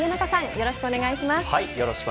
よろしくお願いします。